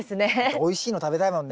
おいしいの食べたいもんね。